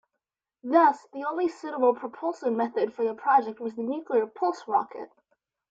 Thus the only suitable propulsion method for the project was the nuclear pulse rocket.